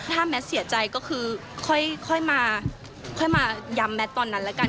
ถ้าแม่ก็เสียใจก็คือค่อยมายำแม่ก็ตอนนั้นแล้วกัน